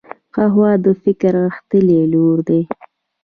قهوه د فکر غښتلي لوری دی